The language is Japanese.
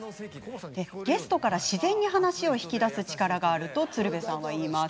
ゲストから自然に話を引き出す力があると鶴瓶さんはいいます。